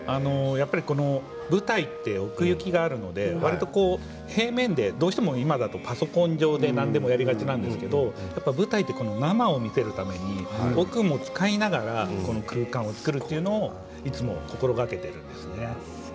舞台って奥行きがあるのでわりと平面で、どうしても今だとパソコン上で何でもやりがちなんですけれど舞台は生を見せるために奥も使いながら空間を作るというのもいつも心がけているんですね。